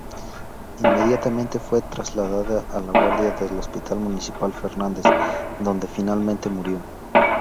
Inmediatamente, fue trasladada a la guardia del Hospital Municipal Fernández, donde finalmente murió.